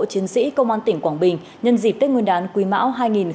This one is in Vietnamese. chiến sĩ công an tỉnh quảng bình nhân dịp tết nguyên đán quy mão hai nghìn hai mươi ba